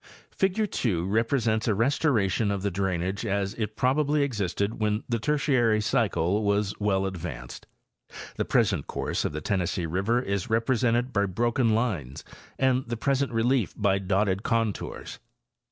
Figure 2 represents a restoration of the drainage as it probably existed when the Tertiary cycle was well advanced. The present course of the Tennessee river is represented by broken lines and the present relief by dotted contours.